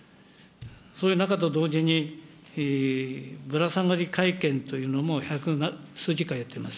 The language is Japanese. そういう中と同時に、ぶら下がり会見というのも、百数十回やっています。